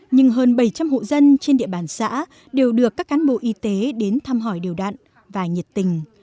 nhưng hơn bảy trăm linh hộ dân trên địa bàn xã đều được các cán bộ y tế đến thăm hỏi điều đạn và nhiệt tình